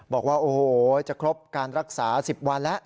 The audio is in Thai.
บอกว่าโอ้โหจะครบการรักษา๑๐วันแล้ว